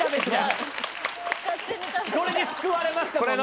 これに救われましたからね。